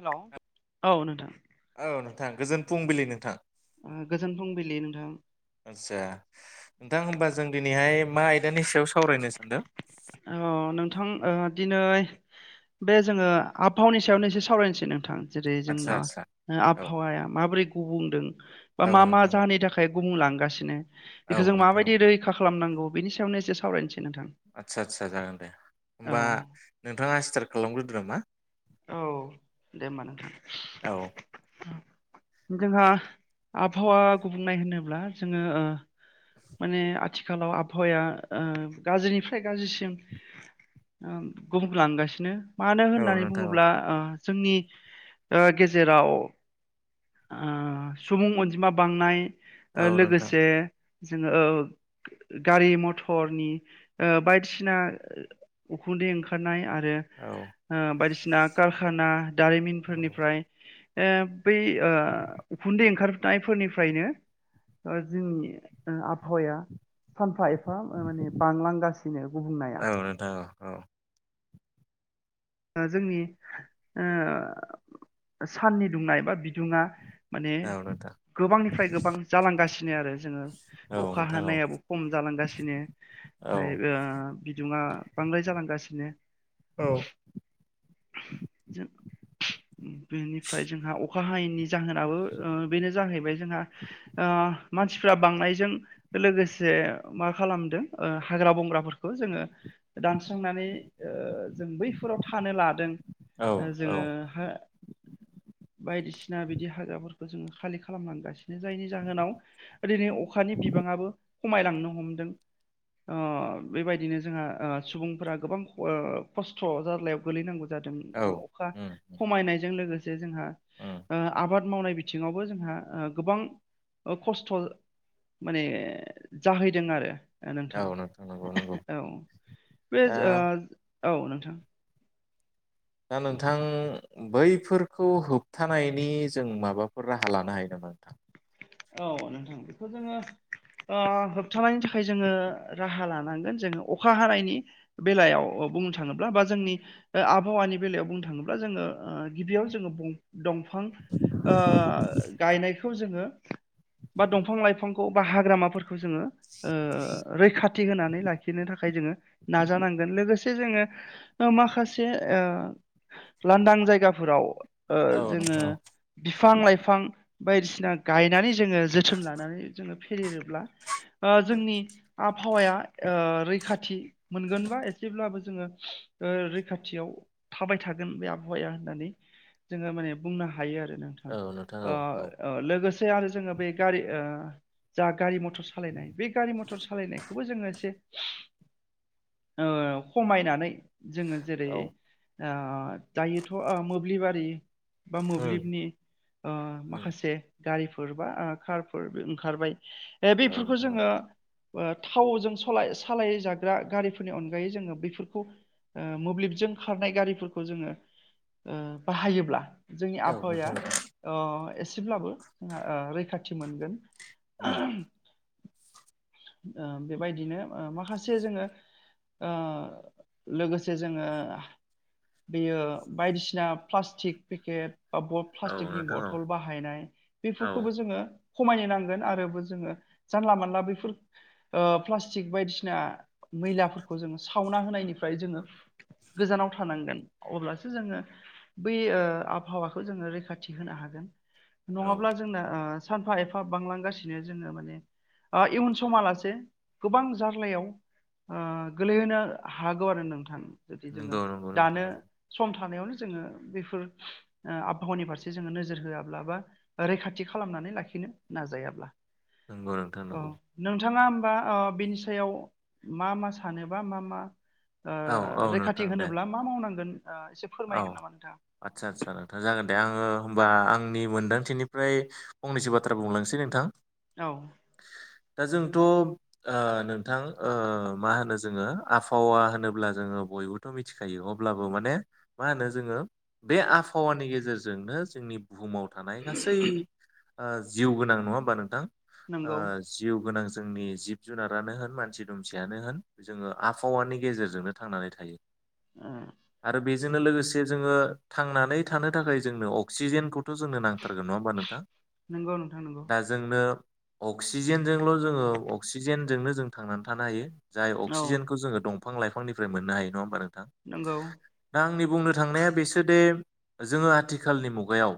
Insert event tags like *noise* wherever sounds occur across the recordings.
Hello औ नोंथां थां गोजोन फुंबिलि नोंथां ओ गोजोन फुंबिलि नोंथां आच्छा नोंथां होमबा जों दिनैहाय मा आयदानि सायाव सावरायनो सानदों? औ नोंथां ओ दिनै बे जोङो आबहावानि सायावनो एसे सावरायनोसै नोंथां जेरै आदसा जोंना आदसा औ आबहावाया माबोरै गुबुंदों बा औ मा मा नोंथां औ जाहोननि थाखाय बुंलांगासिनो बेखौ औ जों नोंथां औ माबायदि रैखा खालामनांगौ बिनि सायावनो एसे सावरायनोसै नोंथां आचछ आच्छा जागोन दे औ होमबा नोंथाङा स्टार्ट खालामग्रोदो नामा औ दे ओमबा नोंथां औ जोंहा आबहावा गुबुंनाय होनोब्ला जोङो ओ माने आथिखालाव आबहावाया ओ गाज्रिनिफ्राय गाज्रिसिम ओ गुबुंलांगासिनो मानो औ होननानै नोंथां बुङो औ ओ जोंनि ओ गेजेराव ओ सुबुं अनजिमा बांनाय औ नोंथां लोगोसे जोङो ओ गारि मथरनि बायदिसिना उखुन्दै ओंखारनाय आरो औ रो बायदिसिना कारखाना औ दारिमिनफोरनिफ्राय *unintelligible* बै ओ उखुन्दै ओंखारनायफोरनिफ्रायनो ओ जोंनि आबहावाया सानफा एफा माने बांलांगासिनो गुबुंनाया औ नोंथां औ औ ओ जोंनि ओ साननि दुंनाय बा बिदुङा माने औ नोंथां गोबांनिफ्राय गोबां जालांगासिनो आरो जोङो औ अखा नोंथां औ हानायाबो खम जालांगासिनो औ ओमफ्राय ओ बिदुुंङा बांद्राय जालांगासिनो औ बेनिफ्राय जोंहा अ अखा हायिनि जाहोनाबो ओ बेनो जाहैबाय जोंहा ओ मानसिफ्रा बांनायजों लोगोसे मा खालामदों ओ हाग्रा बंग्राफोरखौ जोङो दानस्रांनानै ओ जों बैफोराव थानो लादों औ औ जोङो हो *inaudible* बायदिसिना बिदि हाग्राफोरखौ जोङो खालि खालामलांगासिनो जायनि जाहोनाव ओरनै अखानि बिबाङाबो खमायलांनो हमदों ओ बैबायदिनो जोंहा ओ सुबुंफोरा ओ गोबां खस्थ' *unintelligible* जारलायाव गोलैनांगौ जादों औ ओ अखा उम खमायनायजों लोगो जोंहा उम ओ आबाद मावनाय बिथिङावबो जोंहा ओ गोबां ओ खस्थ' माने जाहैदों आरो नोंथां औ नंगौ नंगौ औ बे दा ओ औ नोंथां दा नोंथां बैफोरखौ होबथानायनि जों माबाफोर राहा लानो हायो नामा नोंथां? औ नोंथां बेखौ जोङो ओ होबथानायनि थाखाय जोङो राहा लानांगोन जोङो अखा हानायनि बेलायाव बुंनो थाङोब्ला बा जोंनि ओ आबहावानि बेलायाव बुंनो थाङोब्ला जोङो गिबियावनो जोङो दंफां ओ गायनायखौ जोङो बा दंफां लाइफांखौ बा हाग्रामाफोरखौ जोङो ओ रैखाथि होनानै लाखिनो थाखाय जोङो नाजानांगोन लोगोसे जोङो ओ माखासे ओ लानदां जायगाफोराव ओ औ जोङो नोंथां औ। बिफां लाइफां बायदिसिना गायनानै जोङो जोथोन लानानै जोङो फेदेरोब्ला ओ जोंनि आबहावाया ओ रैखाथि मोनगोन बा ए सेब्लाबो जोङो ओ रैखाथियाव थाबाय थागोन बे आबहावाया होननानै जोङो माने बुंनो हायो आरो। नोंथां औ नोंथां ओ औ औ अ लोगोसे आरो जोङो बे गारि ओ जा गारि म टर सालायनाय बे गारि मटर सालायनायखौबो जोङो एसे ओ खमायनानै जोङो जेरै औ आ दायोथ' ओ मोब्लिबारि बा उम मोब्लिबनि ओ उम माखासे गारिफोर फोर बा कारफोर ओंखारबाय ओ औ बेफोरखौ नोंथां औ। जोङो ओ थावजों सलाय सालाय जाग्रा गारिफोरनि अनगायै जोङो बेफोरखौ ओ मोब्लिबजों खारनाय गारिफोरखौ जोङो ओ बाहायोब्ला जोंनि औ नोंथां आबहावाया औ। ओ एसेब्लाबो जोंहा ओ रैखाथि मोनगोन उम ओ बेबायदिनो ओ माखासे जोङो ओ लोगोसे जोङो बेयो बायदिसिना प्लास्टिक पेकेट बा ब औ प्लास्टिकनि नोंथां औ बथ'ल बाहायनाय औ बेफोरखौबो जोङो खमायनो नांगोन आरो बो जोङो जानला मानला बैफोर ओ प्लास्टिक बायदिसिना मैलाफोरखौ जोङो सावना होनायनिफ्राय जोङो गोजानाव थानांगोन अब्लासो जोङो बै ओ आबहावाखौ जोङो रैखाथि होनो हागोन। औ नङाब्ला ओ जोंना सानफा एफा बांलांगासिनो जोङो माने ओ इयुन समालासे गोबां जार्लायाव ओ गोलैहोनो हागौ आरो नोंथां जुदि जोङो नंगौ नंगौ नोंथां दानो नंगौ। सम थानायावनो जोङो बेफोर ओ आबहावानि फारसे जोङो नोजोर होआब्ला रैखाथि खालामनानै लाखिनो नाजायाबा नंगौ नोंथां औ नंगौ नोंथाङा बा ओ बिनि सायाव मा मा सानोबा मा मा ओ औ औ रैखाथि नोंथां दे होनोब्ला मा मावनांगोन ओ एसे औ फोरमायगोन नामा नोंथाङा आदसा आदसा नोंथाङा जागोन दे आङो होमबा आंनि मोनदांथिनिफ्राय फंनैसो बाथ्रा बुंलांनोसै नोंथां। औ दा जोंथ' ओ नोंथां ओ मा होनो जोङो आबहावा होनोब्ला जों ङो बयबोथ' मिथिखायो अब्लाबो माने मा होनो जोङो बे आबहावानि गेजेरजोंनो जोंनि बुहुमाव थानाय गासै ओ जिउ गोनां नङा होमबा नोंथां। ओ जिउ गोनां जोंनि जिब जुनारानो होन मानसि दुमसियानो होन जोङो आबहावानि गेजेरजोंनो थांनानै थायो। आरो बेजोंनो नंगौ लोगोसे जोङो थांनानै थानो थाखाय जोंनो अक्सिजेनखौ थ' जोंनो नांथारगोन नङा होमबा नोंथां। नंगौ नोंथां नंगौ दा जोंनो अक्सिजेनजोंल' जोङो अक्सिजेनजोंनो जों थांनानै थानो हायो। जाय औ अक्सिजेनखौ जोङो दंफां लाइफांनिफ्राय मोननो हायो नङा होनबा नों नंगौ। आंनि बुंनो थांनाया बेसोदे जोङो आथिखालनि मुगायाव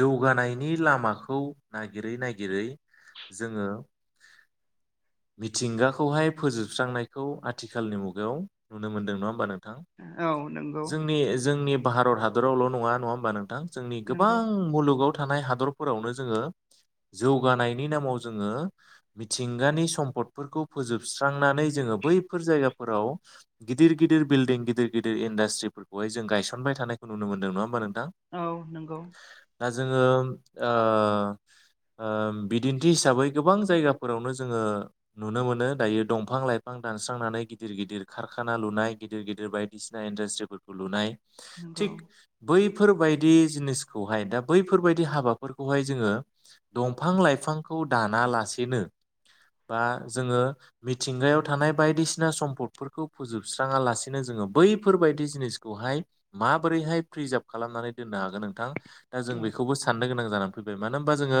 जौगानायनि लामाखौ नागिरै नागिरै जोङो मिथिंगाखौहाय फोजोबस्रांनायखौ आथिखालनि मुगायाव नुनो मोनदों नङा होमबा नोंथां। औ नंगौ जोंनि जोंनि भारत हादरावल' नङा नङा होमबा नोंथां। जोंनि गोबां नंगौ मुलुगाव थानाय हादरफोरावनो जोङो जौगानायनि नामाव जोङो मिथिंगानि सम्पदफोरखौ फोजोबस्रांनानै जोङो बैफोर जायगाफोराव गिदिर गिदिर बिल्डिं गिदिर गिदिर इन्डास्ट्रिफोरखौहाय जों गायसनबाय थानायखौ नुनो मोनदों नङा होमबा नों औ नंगौ। दा जोङो ओ ओ बिदिन्थि हिसाबै गोबां जायगाफोरावनो जोङो नुनो मोनो दायो दंफां-लाइफां दानस्रांनानै गिदिर गिदिर खारखाना लुनाय गिदिर गिदिर बाय दिसिना इनदासट्रि लुनाय। नंगौ थिग बै फोरबायदि जिनिसखौहाय दा बैफोरबायदि हाबाफोरखौहाय जोङो दंफां-लाइफां खौ दानालासेनो बा जोङो मिथिंगायाव थानाय बायदिसिना सम्पदफोरखौ फोजोबस्राङा लासिनो जोङो बैफोरबायदि जिनिसखौहाय माबोरैहाय प्रिजार्भ खालामनानै दोननो हागोन नोंथां? दा जों औ बेखौबो साननो गोनां जाना फैबाय मानो होनबा जोङो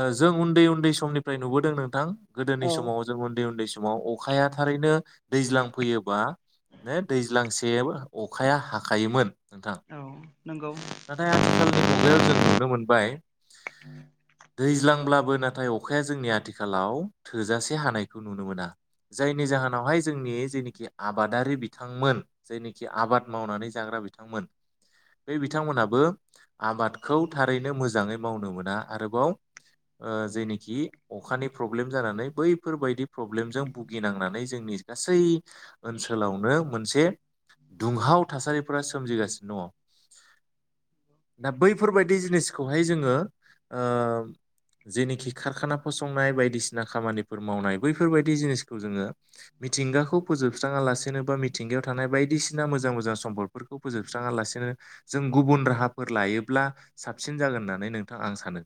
ओ जों उन्दै उन्दै समनिफ्राय नुबोदों नोंथां गोदोनि औ समाव जों उन्दै उन्दै समाव अखाया थारैनो दैज्लां फैयोबा दैज्लांसे अखाया हाखायोमोन। नोंथां, औ नंगौ नाथाय आथिखालनि मुगायाव जों नुनो मोनबाय, दैज्लांब्ला बो नाथाय अखाया जोंनि आथिखालाव थोजासे हानायखौ नुनो मोना। जायनि जाहोनावहाय जोंनि जेनाखि आबादारि बिथांमोन, जायनिखि आबाद मावनानै जाग्रा बिथांमोन बे बिथांमोनाबो आबादखौ थारैनो मोजाङै मावनो मोना आरोबाव ओ जेनिखि अखानि प्रब्लेम जानानै बैफोरबायदि प्रब्लेमजों भुगिनांनानै जोंनि गासै ओनसोलावनो मोनसे दुंहाव थासारिफोरा सोमजिगासिनो दङ। दा बैफोरबायदि जिनिसखौहाय जोङो ओ जेनिखि खारखाना फसंनाय बायदिसिना खामानिफोर मावनाय बैफोरबायदि जिनिसखौ जोङो मिथिंगाखौ फोजोबस्राङा लासेनोबा मि थिंगायाव थानाय बायदिसिना मोजां मोजां सम्दफोरखौ फोजोबस्राङालासेनो जों गुबुन राहाफोर लायो ब्ला साबसिन जागोन होननानै नोंथां आं सानो।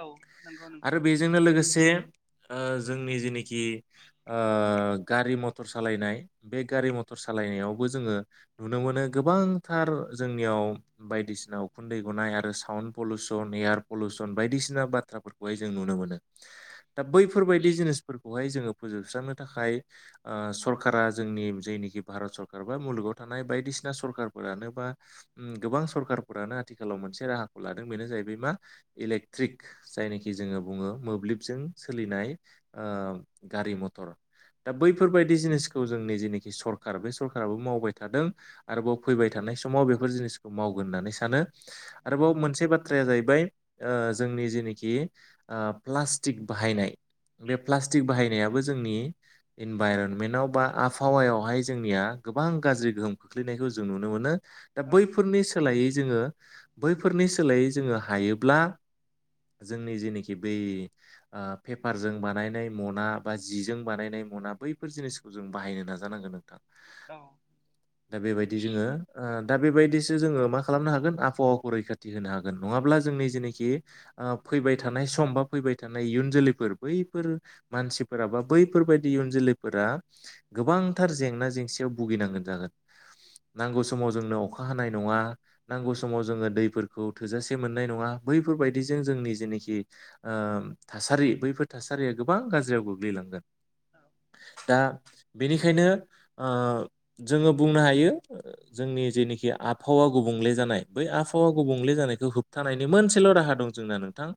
औ नंगौ आरो नोंथां बेजोंनो लोगोसे ओ जोंनि जेनोखि ओ गारि मथर सालायनाय, बे गारि म तर सालायनायावबो जोङो नुनो मोनो गोबांथार जोंनियाव बायदिसिना उखुन्दै खुनाय आरो साउन पलुसन, एयार पलुसन, बायदिसिना बाथ्राफोरखौहाय जों नुनो मोनो। दा बैफोरबायदि जिनिसफोरखौहाय जोङो फोजोबस्रांनो थाखाय ओ सरकारा जोंनि जायनोखि भारत सरखार बा मुलुगाव थानाय बायदिसिना सरखारफोरानो बा गोबां सरखारफोरानो आथिखालाव मोनसे राहाखौ लादों बेनो जाहैबाय मा इलेकट्रिक जायनाखि जोङो बुङो मोब्लिबजों सोलि थां ओ गारि मथर दा बैफोरबायदि जिनिखौ जोंनि जेनेखि सर खार बे सरखाराबो मावबाय थादों आरोबाव फैबाय थानाय समाव बेफोर जिनिसखौ मावगोन होननानै सानो। औ आरोबाव मोनसे बाथ्राया जाहैबाय ओ जोंनि जेनिखि ओ प्लास्टिक बाहायनाय बे प्लास्टिक बाहायनायाबो जोंनि इनभाइरनमेन्टआव बा आबहावायावहाय जोंनिया गोबां गाज्रि गोहोम खोख्लैनायखौ जों नुनो मोनो दा औ बैफोरनि सोलायै जोङो बैफोरनि सोलायै जोङो हायोब्ला जोंनि जेनोखि बै ओ पेपारजों बानायनाय मना बा जिजों बानायनाय मना बैफोर जिनिसखौ जों बाहायनो नाजानांगोन औ दा बेबायदि जोङो ओ दा बेबायदिसो जोङो मा खालामनो हागोन आबहावाखौ रैखाथि होनो हागोन नङाब्ला जोंनि जेनोखि ओ फैबाय थानाय सम बा फैबाय थानाय इयुन जोलैफोर बैफोर मानसिफोरा बा बैफोरबायदि इयुन जोलै लैफोरा गोबांथार जेंना जेंसियाव भुगिनांगोन जागोन नांगौ समाव जोंनो अखा हानाय नङा। नांगौ समाव जोङो दैफोर खौ थोजासे मोननाय नङा बैफोरबायदिजों जोंनि जेनाखि ओ थासारि बैफोर थासा सारिया गोबां गाज्रियाव गोग्लैलांगोन दा बेनिखायनो ओ जोङो बुंनो हायो जोंनि जेनेखि आबहावा गुबुंले जानाय बै आबहावा गुबुंले जानायखौ होबथानायनि मोनसेल' राहा दं जोंना नोंथां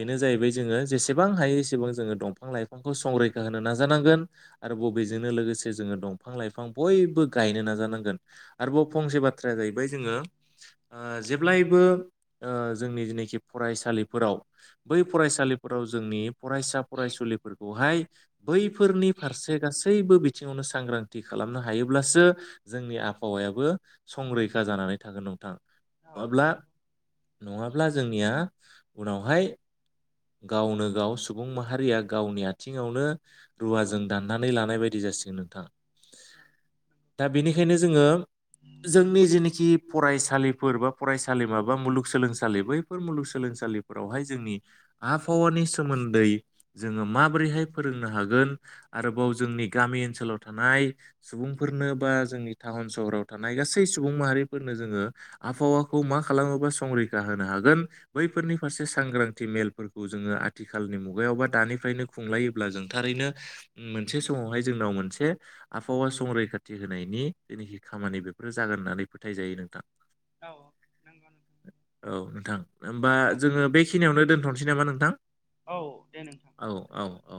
औ जाहैबाय जोङो जेस एबां हायो एसेबां जोङो दंफां लाइफांखौ संरैखा होनो नाजानांगोन आरो बबेजोंनो लोगोसे जोङो दंफां लाइफां बयबो गायनो नाजानांगोन आरोबाव फंसे बाथ्राया जाहैबाय जोङो ओ जेब्लायबो ओ जोंनि जेनेखि फरायसालिफोराव बै फरायसालि फोराव जोंनि फरायसा फरायसुलिफोरखौहाय बैफोरनि फारसे गासैबो बिथिङावनो सांग्रांथि खालामनो हायोब्लासो जोंनि आबहावायाबो संरैखा जानानै थागोन नोंथां। नङाब्ला-नङाब्ला जोंनिया उनावहाय गावनो गाव सुबुं माहारिया गावनि आथिङावनो रुवाजों दाननानै लानाय बायदि जा सिगोन नोंथां दा बेनिखायनो जोङो जोंनि जेनिखि फरायसालिफोर बा फरायसालि माबा मुलुगसोलोंसालि बैफोर मुलुगसोलोंसालिफोरावहाय जोंनि आबहावानि सोमोन्दै जोङो माबोरैहाय फोरोंनो हागोन आरोबाव जोंनि गामि ओनसोलाव थानाय सुबुंफोरनो बा जोंनि टाउन सहराव थानाय गासै सुबुं माहारिफोरनो जोङो ओ आबहावाखौ मा खालामोबा संरैखा होनो हागोन बैफोरनि फारसे सांग्रांथि मेलफोर खौ जोङो आथिखालनि मुगायावबा दानिफ्रायनो खुंलायोब्ला जों थारैनो मोनसे समावहाय जोंनाव मोनसे आबहावा संरैखाथि होनायनि जेनाखि खामानि बेफोरो जागोन होननानै फोथाय जायो नोंथां। औ नंगौ नोंथां औ नोंथां ओमबा औ जोङो बेखिनियावनो दोन सै नामा नोंथां औ दे नोंथां होमबालाय दोनथ'नोसै औ-औ-औ